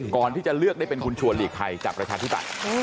ก่อนที่จะเลือกได้เป็นคุณชัวร์หลีกไทยจากประชาชุตร